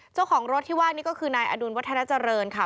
เจ้าของรถที่ว่านี่ก็คือนายอดุลวัฒนาเจริญค่ะ